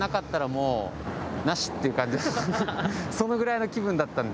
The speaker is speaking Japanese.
そのぐらいの気分だったので。